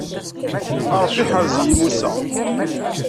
A Ṛebbi ḥerz-i Musa.